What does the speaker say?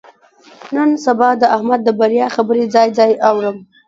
نن سبا د احمد د بریا خبرې ځای ځای اورم.